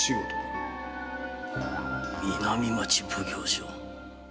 南町奉行所を。